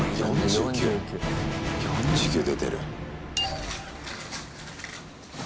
４９出てる。